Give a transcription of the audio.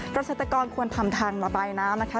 เกษตรกรควรทำทางระบายน้ำนะคะ